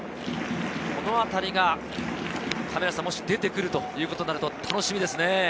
このあたりが後に出てくるということになると楽しみですね。